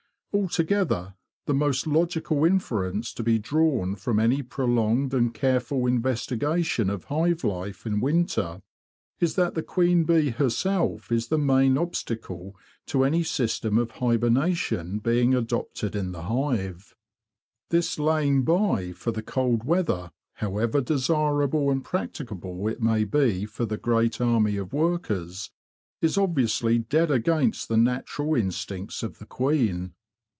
Altogether, the most logical inference to be drawn from any prolonged and careful investigation of hive life in winter is that the queen bee herself is the main obstacle to any system of hibernation being adopted in the hive. This lying by for the cold weather, however desirable and practicable it may be for the great army of workers, is obviously dead against the natural instincts of the queen.